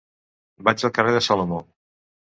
Vaig al carrer de Salomó.